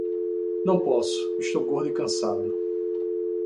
Não posso, estou gordo e cansado